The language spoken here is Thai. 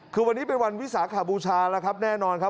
คือวันนี้เป็นวันวิสาขบูชาแล้วครับแน่นอนครับ